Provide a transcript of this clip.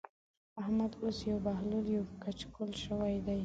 احمد اوس يو بهلول يو کچکول شوی دی.